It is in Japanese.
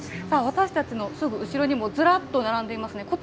私たちのすぐ後ろにもずらっと並んでいますね。